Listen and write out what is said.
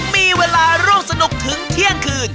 มีเวลาร่วมสนุกถึงเที่ยงคืน